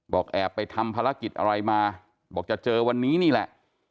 แอบไปทำภารกิจอะไรมาบอกจะเจอวันนี้นี่แหละ